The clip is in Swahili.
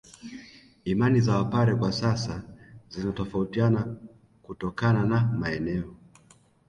Imani za Wapare kwa sasa zinatofautiana kutokana na maeneo